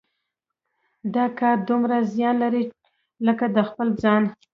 دا کار دومره زیان لري لکه د خپل ځان.